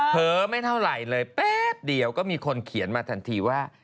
ไม่เท่าไหร่เลยแป๊บเดียวก็มีคนเขียนมาทันทีว่า